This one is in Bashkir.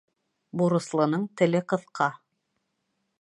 Бурыслының теле ҡыҫҡа.